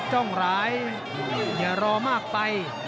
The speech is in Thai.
จ้องหลายอย่ารอมากไป